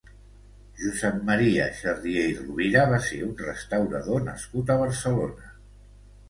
Josep Maria Xarrié i Rovira va ser un restaurador nascut a Barcelona.